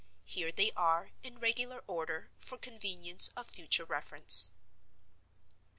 Here they are, in regular order, for convenience of future reference: (1.)